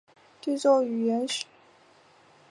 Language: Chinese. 对照语言学的特征。